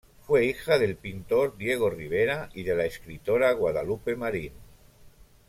Fue hija del pintor Diego Rivera y de la escritora Guadalupe Marín.